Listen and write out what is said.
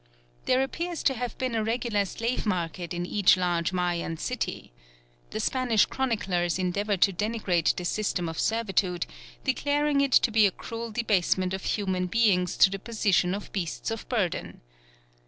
There appears to have been a regular slave market in each large Mayan city. The Spanish chroniclers endeavour to denigrate this system of servitude, declaring it to be a cruel debasement of human beings to the position of beasts of burden.